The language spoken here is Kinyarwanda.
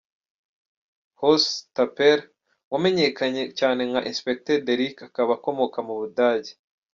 Horst Tappert wamenyekanye cyane nka Inspecteur Derrick akaba akomoka mu Budage.